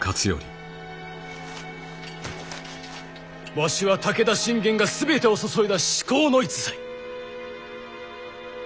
わしは武田信玄が全てを注いだ至高の逸材。